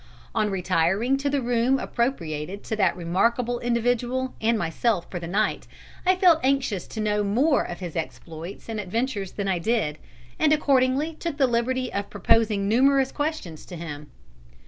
On retiring to the room appropriated to that remarkable individual and myself for the night, I felt anxious to know more of his exploits and adventures than I did, and accordingly took the liberty of proposing numerous questions to him.